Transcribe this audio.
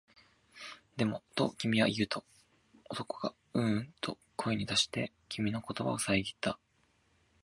でも、と君は言うと、男がううんと声に出して、君の言葉をさえぎった